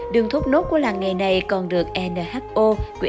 đường thốt nốt của làng nghề này còn được nho